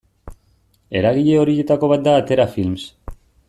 Eragile horietako bat da Atera Films.